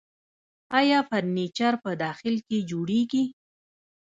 آیا فرنیچر په داخل کې جوړیږي؟